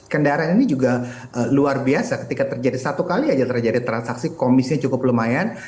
kendaraan ini juga luar biasa ketika terjadi satu kali aja terjadi transaksi komisnya cukup lumayan